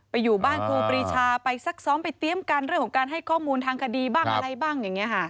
อยู่บ้านครูปรีชาไปซักซ้อมไปเตรียมกันเรื่องของการให้ข้อมูลทางคดีบ้างอะไรบ้างอย่างนี้ค่ะ